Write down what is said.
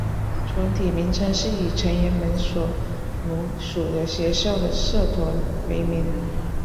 团体名称是以成员们所隶属的学校的社团为名。